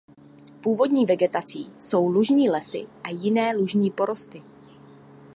Původní vegetací jsou lužní lesy a jiné lužní porosty.